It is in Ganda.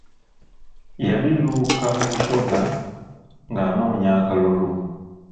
Yali Luuka mu Busoga ng’anoonya akalulu.